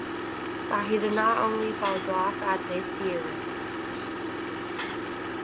But he did not only photograph at the theatre.